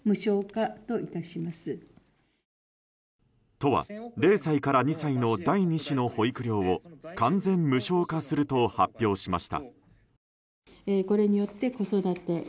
都は０歳から２歳の第２子の保育料を完全無償化すると発表しました。